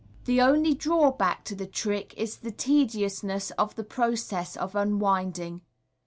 The only drawback to the trick is the tediousness of the pro cess of unwinding.